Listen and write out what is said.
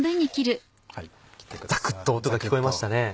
ザクっと音が聞こえましたね。